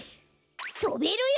とべるよ！